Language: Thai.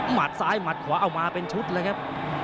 หัดซ้ายหมัดขวาเอามาเป็นชุดเลยครับ